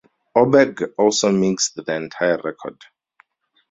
Oberg also mixed the entire record.